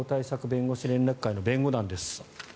弁護士連絡会の弁護団です。